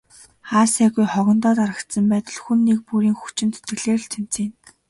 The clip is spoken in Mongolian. Хаа сайгүй хогондоо дарагдсан байдал хүн нэг бүрийн хүчин зүтгэлээр л цэмцийнэ.